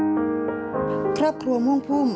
ด้วยสำนึกในพระมหากรุณาที่คุณอย่างหาที่สุดไม่ได้